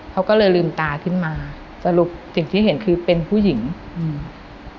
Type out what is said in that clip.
เขาก็เลยลืมตาขึ้นมาสรุปสิ่งที่เห็นคือเป็นผู้หญิงอืม